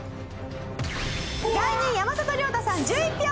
第２位山里亮太さん１１票。